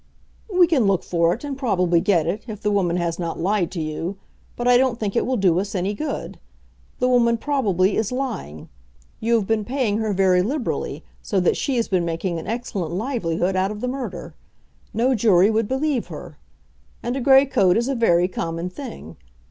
"We can look for it, and probably get it, if the woman has not lied to you; but I don't think it will do us any good. The woman probably is lying. You have been paying her very liberally, so that she has been making an excellent livelihood out of the murder. No jury would believe her. And a grey coat is a very common thing.